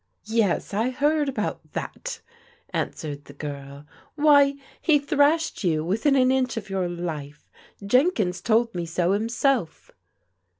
" Yes, I heard about that f " answered the g^rL " Why, he thrashed you within an inch of your life. Jenkins told me so himself."